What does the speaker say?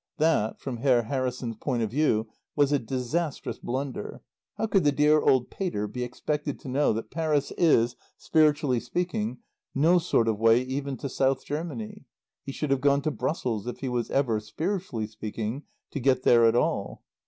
That (from Herr Harrison's point of view) was a disastrous blunder. How could the dear old Pater be expected to know that Paris is, spiritually speaking, no sort of way even to South Germany? He should have gone to Brussels, if he was ever, spiritually speaking, to get there at all.